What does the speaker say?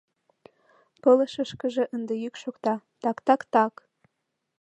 Пылышышкыже ынде йӱк шокта: так-так-так!